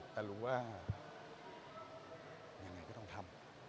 แต่รู้ว่ายังไงก็ต้องทำ